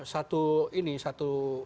satu ini satu